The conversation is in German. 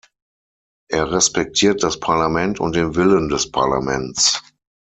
Er respektiert das Parlament und den Willen des Parlaments.